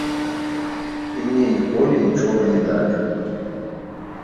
І мне ніколі нічога не далі.